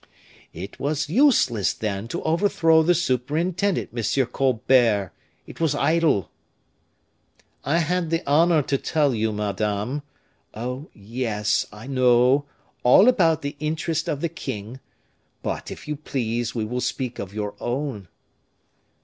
"It was useless, then, to overthrow the superintendent, Monsieur Colbert. It was idle." "I had the honor to tell you, madame " "Oh! yes, I know, all about the interest of the king but, if you please, we will speak of your own."